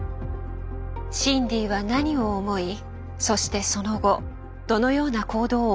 シンディは何を思いそしてその後どのような行動を起こしたのか。